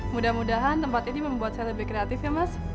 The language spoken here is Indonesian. mudah mudahan tempat ini membuat saya lebih kreatif ya mas